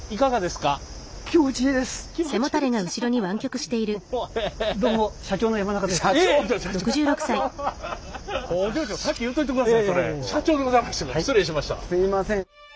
すいません。